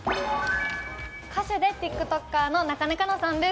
歌手でＴｉｋＴｏｋｅｒのなかねかなさんです。